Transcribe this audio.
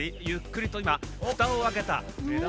ゆっくりといまふたをあけた。